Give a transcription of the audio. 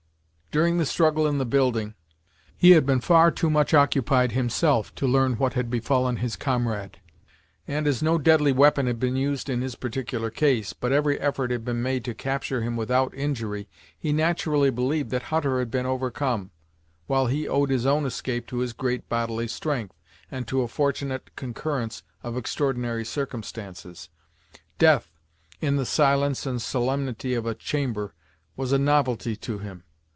During the struggle in the building, he had been far too much occupied himself to learn what had befallen his comrade, and, as no deadly weapon had been used in his particular case, but every effort had been made to capture him without injury, he naturally believed that Hutter had been overcome, while he owed his own escape to his great bodily strength, and to a fortunate concurrence of extraordinary circumstances. Death, in the silence and solemnity of a chamber, was a novelty to him.